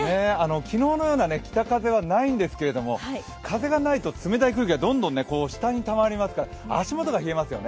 昨日のような北風はないんですけれども、風がないと冷たい空気が、どんどん下にたまりますから足元が冷えますよね。